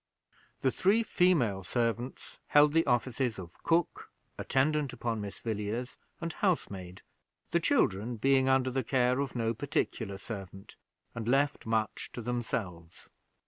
The three female servants held the offices of cook, attendant upon Miss Villiers, and housemaid; the children being under the care of no particular servant, and left much to themselves.